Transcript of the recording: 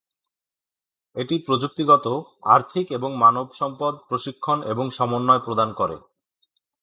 এটি প্রযুক্তিগত, আর্থিক এবং মানব সম্পদ প্রশিক্ষণ এবং সমন্বয় প্রদান করে।